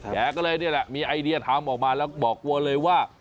แกก็เลยนี่แหละมีไอเดียทำออกมาแล้วบอกวัวเลยว่า